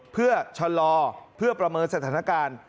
เพื่อชะลอเพื่อประเมินสถานการณ์